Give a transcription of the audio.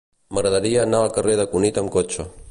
M'agradaria anar al carrer de Cunit amb cotxe.